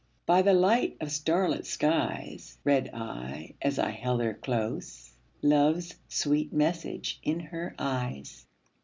By the light of starlit skies Read I, as I held her close, Love's sweet message in her eyes.